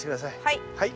はい。